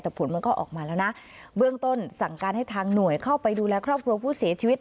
แต่ผลมันก็ออกมาแล้วนะเบื้องต้นสั่งการให้ทางหน่วยเข้าไปดูแลครอบครัวผู้เสียชีวิต